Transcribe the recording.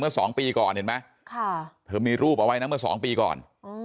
เมื่อ๒ปีก่อนเห็นไหมค่ะเธอมีรูปเอาไว้เมื่อ๒ปีก่อน